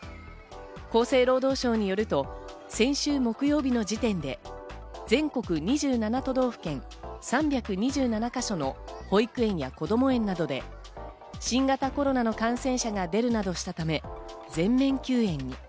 厚生労働省によると、先週木曜日の時点で全国２７都道府県、３２７か所の保育園やこども園などで新型コロナの感染者が出るなどしたため全面休園に。